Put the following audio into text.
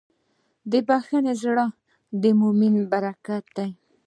د بښنې زړه د مؤمن برکت دی.